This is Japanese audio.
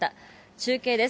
中継です。